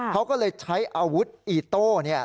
เขาก็เลยใช้อาวุธอีโต้เนี่ย